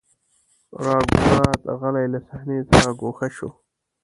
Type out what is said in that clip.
راګونات غلی له صحنې څخه ګوښه شو.